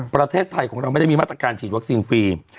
ประเทศไทยของเราไม่ได้มีมาตรการฉีดวัคซีนฟรี